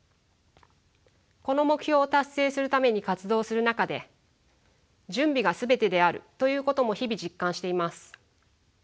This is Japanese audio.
この目標を達成するために活動する中で準備が全てであるということも日々実感しています。